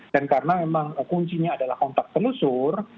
dan karena memang kuncinya adalah kontak selusur